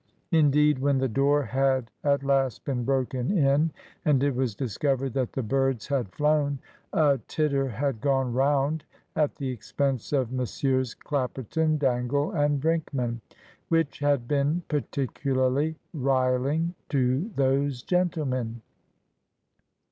Indeed, when the door had at last been broken in and it was discovered that the birds had flown, a titter had gone round at the expense of Messrs. Clapperton, Dangle, and Brinkman, which had been particularly riling to those gentlemen.